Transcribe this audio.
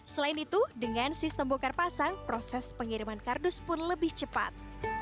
selain itu dengan sistem bokar pasang proses pengiriman kardus pun lebih cepat